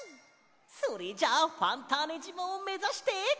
それじゃあファンターネじまをめざして。